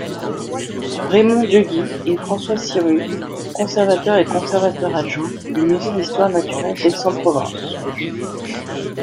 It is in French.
Raymond Dughi et François Sirugue, Conservateur et Conservateur-adjoint du Musée d'histoire Naturelle d'Aix-en-Provence.